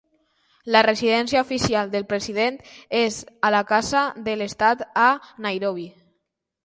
La residència oficial del president és a la Casa de l'Estat, a Nairobi.